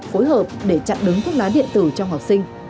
phối hợp để chặn đứng thuốc lá điện tử trong học sinh